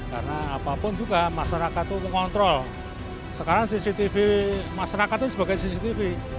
karena apapun juga masyarakat itu mengontrol sekarang cctv masyarakat itu sebagai cctv